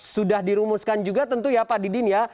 sudah dirumuskan juga tentu ya pak didin ya